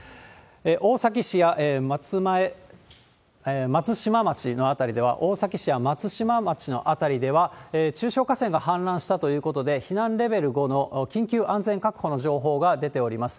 大崎市や松島町の辺りでは、大崎市や松島町の辺りでは、中小河川が氾濫したということで、避難レベル５の緊急安全確保の情報が出ております。